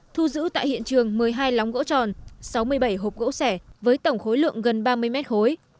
thu giữ tại hiện trường một mươi hai lóng gỗ tròn sáu mươi bảy hộp gỗ sẻ với tổng khối lượng gần ba mươi mét khối